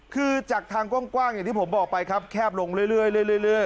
คือจากทางกว้างอย่างที่ผมบอกไปครับแคบลงเรื่อย